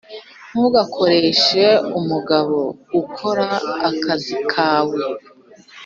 ntugakoreshe umugabo ukora akazi kawe